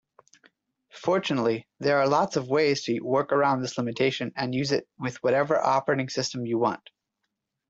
Fortunately, there are lots of ways to work around this limitation and use it with whatever operating system you want.